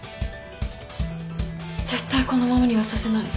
絶対このままにはさせない。